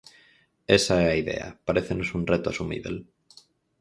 Esa é a idea, parécenos un reto asumíbel.